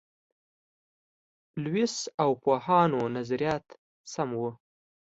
لویس او پوهانو نظریات سم وو.